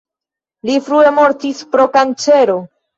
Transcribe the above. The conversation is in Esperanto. Li frue mortis pro kancero.